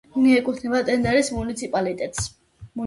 მიეკუთვნება ტენდერის მუნიციპალიტეტს.